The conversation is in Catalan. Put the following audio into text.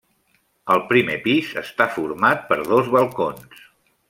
El primer pis està format per dos balcons.